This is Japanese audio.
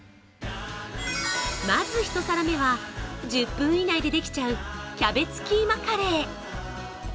まず１皿目は、１０分以内でできちゃうキャベツキーマカレー。